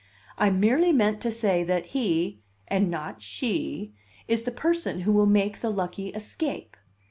I merely meant to say that he, and not she, is the person who will make the lucky escape.